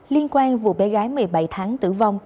liên quan vụ bé gái một mươi bảy tháng tử vong